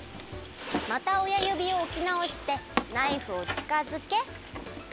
またおやゆびをおきなおしてナイフをちかづけとめる。